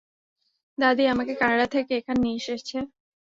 দাদী আমাকে কানাডা থেকে এখানে নিয়ে এসেছে।